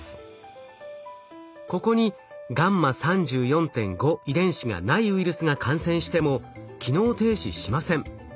ここにγ３４．５遺伝子がないウイルスが感染しても機能停止しません。